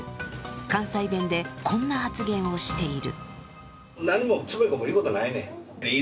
関西弁でこんな発言をしている。